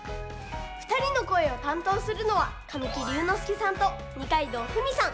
ふたりのこえをたんとうするのは神木隆之介さんと二階堂ふみさん。